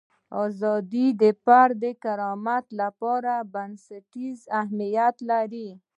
ازادي د فرد د کرامت لپاره بنسټیز اهمیت لري.